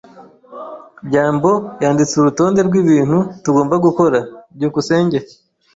byambo yanditse urutonde rwibintu tugomba gukora. byukusenge